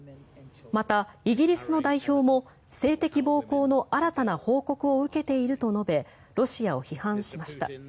また、イギリスの代表も性的暴行の新たな報告を受けていると述べロシアを批判しました。